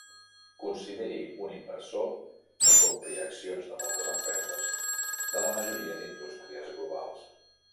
Consideri un inversor que compri accions de moltes empreses de la majoria d'indústries globals.